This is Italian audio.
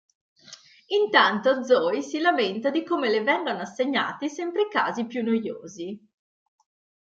Intanto Zoey si lamenta di come le vengano assegnati sempre i casi più noiosi.